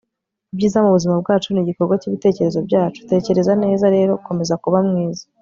ibyiza mubuzima bwacu nigikorwa cyibitekerezo byacu. tekereza neza rero, komeza kuba mwiza